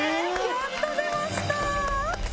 やっと出ました！